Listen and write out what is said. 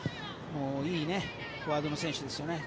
いいフォワードの選手ですよね。